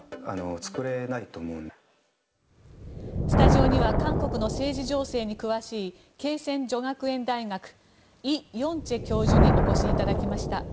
スタジオには韓国の政治情勢に詳しい恵泉女学園大学イ・ヨンチェ教授にお越しいただきました。